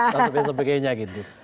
dan sebagainya gitu